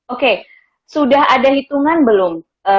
oke sudah ada hitungan belum